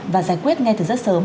và giải quyết ngay từ rất sớm